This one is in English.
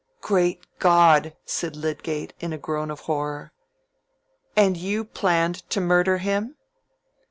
"Great God!" said Lydgate, in a groan of horror. "And you planned to murder him?"